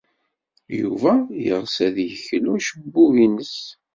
Yuba yeɣs ad yeklu acebbub-nnes.